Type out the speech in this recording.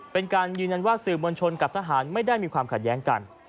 เป็นการยืนยันว่าสื่อมวลชนกับทหารไม่ได้มีความขัดแย้งกัน